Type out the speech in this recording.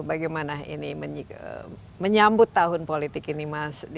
bagaimana menyebut tahun politik ini mas